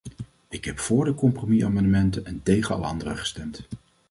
Ik heb voor de compromisamendementen en tegen alle andere gestemd.